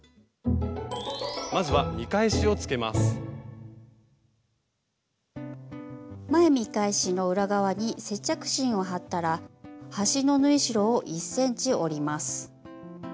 まずは前見返しの裏側に接着芯を貼ったら端の縫い代を１ｃｍ折ります。